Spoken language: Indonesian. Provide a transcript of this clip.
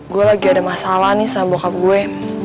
gue lagi ada masalah nih sama cup gue